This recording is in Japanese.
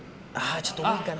ちょっと多いかな。